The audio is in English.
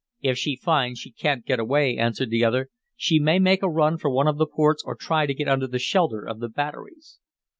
"If she finds she can't get away," answered the other, "she may make a run for one of the ports or try to get under the shelter of the batteries."